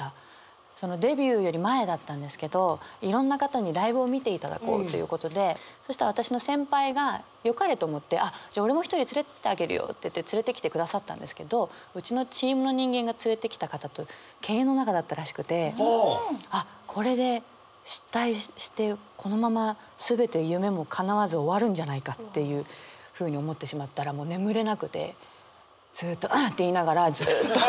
デビューより前だったんですけどいろんな方にライブを見ていただこうということでそしたら私の先輩がよかれと思ってあっじゃあ俺も一人連れてってあげるよって言って連れてきてくださったんですけどうちのチームの人間が連れてきた方と犬猿の仲だったらしくてあっこれで失態してこのまま全て夢もかなわず終わるんじゃないかっていうふうに思ってしまったらもう眠れなくてずっと「ぁっ！！」って言いながら。